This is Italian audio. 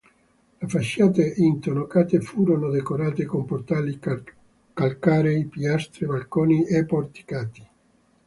Le facciate intonacate furono decorate con portali calcarei, piastre, balconi e porticati.